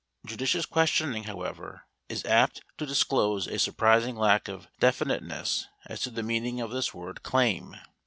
Judicious questioning, however, is apt to disclose a surprising lack of definiteness as to the meaning of this word "claim."